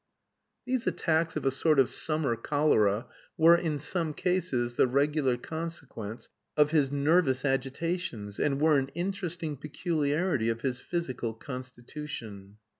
These attacks of a sort of "summer cholera" were, in some cases, the regular consequence of his nervous agitations and were an interesting peculiarity of his physical constitution.